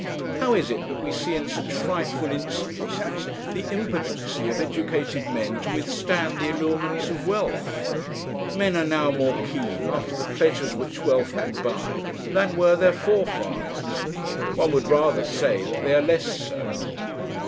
How is it that we see in such frightful instances the impotency of educated men to withstand the allurements of wealth? Men are not now more keen after the pleasures which wealth can buy than were their forefathers. One would rather say that they are less so.